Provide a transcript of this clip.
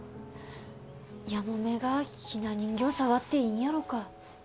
やもめが雛人形触っていいんやろうか？